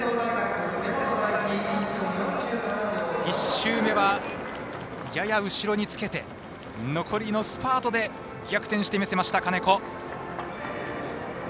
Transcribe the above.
１周目は、やや後ろにつけて残りのスパートで逆転してみせた、金子。